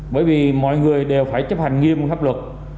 bởi vì mọi người đều phải chấp hành nghiêm pháp luật